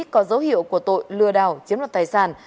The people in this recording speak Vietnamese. có dấu hiệu của tội lừa đảo chiếm đoạt tài sản